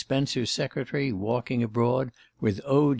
Spence's secretary walking abroad with O.